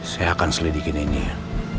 seakan selidiki ini ya